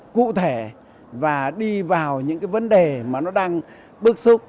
cụ thể và đi vào những vấn đề mà nó đang bước xúc